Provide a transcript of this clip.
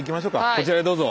こちらへどうぞ。